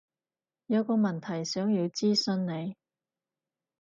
有個問題想要諮詢你